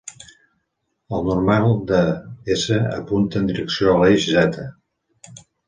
El normal a d"S" apunta en direcció a l'eix "z".